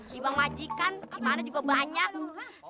di bank majikan di mana juga banyak